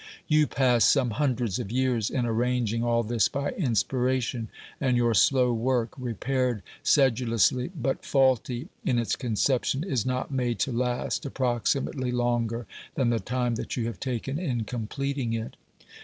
You pass some hundreds of years in arranging all this by inspiration and your slow work, repaired sedu lously, but faulty in its conception, is not made to last approximately longer than the time that you have taken in completing it.